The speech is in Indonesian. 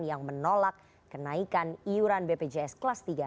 yang menolak kenaikan iuran bpjs kelas tiga